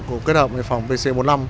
cùng kết hợp với phòng pc bốn mươi năm